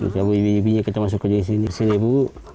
kita masukkan di sini bu